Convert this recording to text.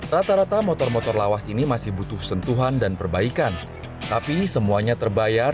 rata rata motor motor lawas ini masih butuh sentuhan dan perbaikan tapi semuanya terbayar